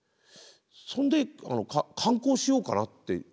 そんで観光しようかなって。